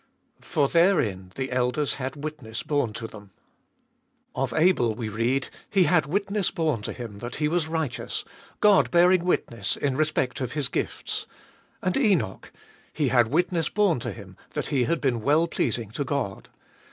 For therein the elders had witness borne to them. Of Abel we read : He had witness borne to him that he was righteous, God bearing witness in respect of his gifts. And Enoch : He had witness borne to him that he had been well pleasing to God.